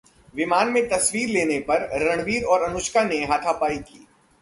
विमान में तस्वीर लेने पर रणवीर और अनुष्का ने हाथापाई की